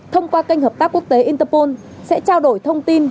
thông qua kênh hợp tác quốc tế interpol sẽ trao đổi thông tin